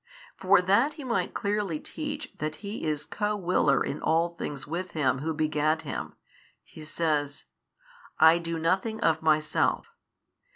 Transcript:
For that He might clearly teach that He is Co willer in all things with Him Who begat Him, He says, I do nothing of Myself.